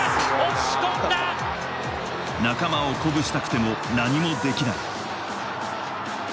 仲間を鼓舞したくても、何もできない。